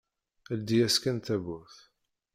Ldi-yas-d kan tawwurt.